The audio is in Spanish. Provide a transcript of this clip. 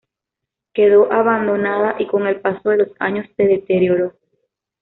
Quedó abandonada y con el paso de los años se deterioró.